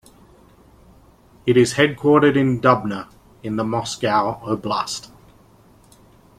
It is headquartered in Dubna in the Moscow Oblast.